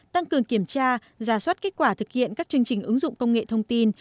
tăng cường kiểm tra giả soát kết quả thực hiện các chương trình ứng dụng công nghệ thông tin